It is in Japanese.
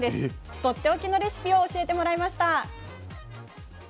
とっておきのレシピを教えてもらいました。